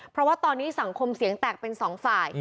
เพราะว่าตอนนี้สังคมเสียงแตกเป็นสองฝ่าย